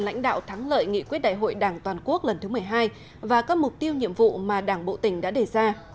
lãnh đạo thắng lợi nghị quyết đại hội đảng toàn quốc lần thứ một mươi hai và các mục tiêu nhiệm vụ mà đảng bộ tỉnh đã đề ra